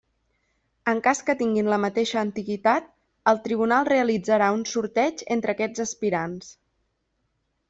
En cas que tinguin la mateixa antiguitat, el tribunal realitzarà un sorteig entre aquests aspirants.